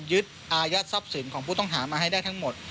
ยึดอายัดทรัพย์สินของผู้ต้องหามาให้ได้ทั้งหมด